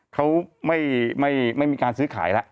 เขาไม่มีการซื้อขายแล้ว